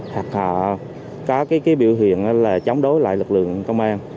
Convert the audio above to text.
hoặc họ có cái biểu hiện là chống đối lại lực lượng công an